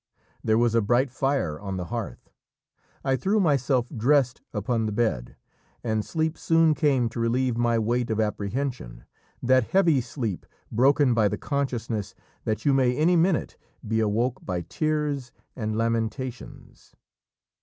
There was a bright fire on the hearth; I threw myself dressed upon the bed, and sleep soon came to relieve my weight of apprehension that heavy sleep broken by the consciousness that you may any minute be awoke by tears and lamentations.